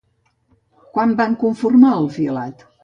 Quan van conformar el filat?